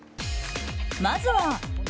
まずは「＃